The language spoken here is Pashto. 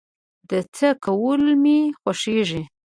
د څه کول مې خوښيږي؟